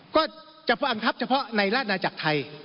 ก็จะบังคับเฉพาะในราชนาจักรไทย